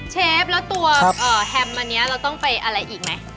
เชฟแล้วตัวแฮมอันนี้เราต้องไปอะไรอีกไหม